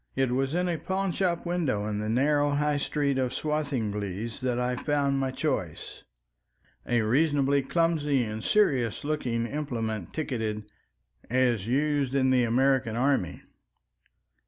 It was in a pawnshop window in the narrow High Street of Swathinglea that I found my choice, a reasonably clumsy and serious looking implement ticketed "As used in the American army."